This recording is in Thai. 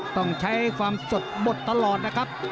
ต้องใช้ความสดบดตลอดนะครับ